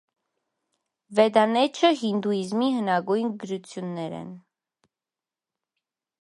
Վեդանեչը հինդուիզմի հնագույն գրություններ են։